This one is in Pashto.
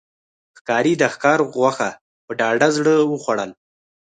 ښکاري د ښکار غوښه په ډاډه زړه وخوړل.